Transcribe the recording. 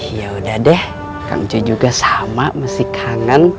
yaudah deh kangen cuy juga sama masih kangen